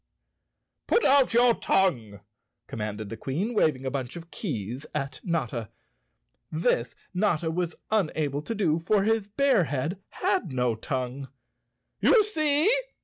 " "Put out your tongue! " commanded the Queen, wav¬ ing a bunch of keys at Notta. This Notta was unable to do, for his bear head had no tongue. "You see!"